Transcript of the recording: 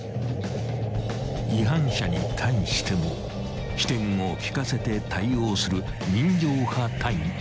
［違反者に対しても機転を利かせて対応する人情派隊員］